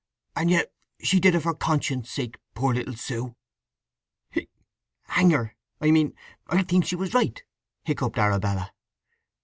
… And yet she did it for conscience' sake, poor little Sue!" "Hang her!—I mean, I think she was right," hiccuped Arabella.